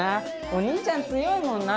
お兄ちゃん強いもんな。